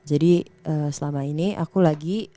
jadi selama ini aku lagi